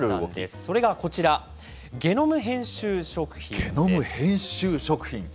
それがこちら、ゲノム編集食ゲノム編集食品？